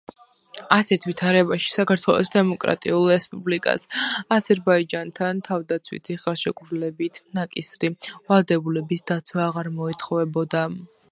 ასეთ ვითარებაში საქართველოს დემოკრატიულ რესპუბლიკას აზერბაიჯანთან თავდაცვითი ხელშეკრულებით ნაკისრი ვალდებულების დაცვა აღარ მოეთხოვებოდა.